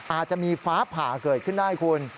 อาจจะมีฟ้าผ่าเกิดขึ้นได้คุณ